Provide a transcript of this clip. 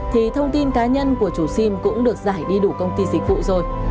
thì thông tin cá nhân của chủ sim cũng được giải đi đủ công ty dịch vụ rồi